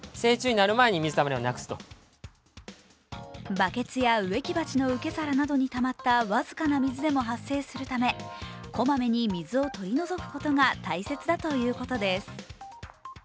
バケツや植木鉢の受け皿などにたまった僅かな水でも発生するため小まめに水を取り除くことが大切だということです。